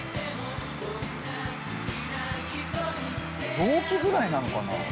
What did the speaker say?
同期ぐらいなのかな？